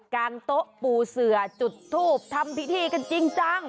งโต๊ะปูเสือจุดทูบทำพิธีกันจริงจัง